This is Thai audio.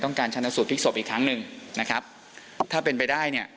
การชนะสูตรพลิกศพอีกครั้งหนึ่งนะครับถ้าเป็นไปได้เนี่ย